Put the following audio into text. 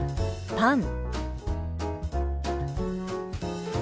「パン」。